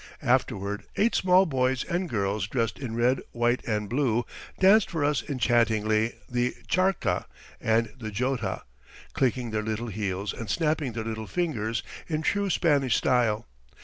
Afterward eight small boys and girls dressed in red, white and blue danced for us enchantingly the Charcca and the Jota, clicking their little heels and snapping their little fingers in true Spanish style.